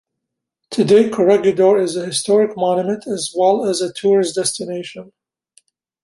Today, Corregidor is a historic monument as well as a tourist destination.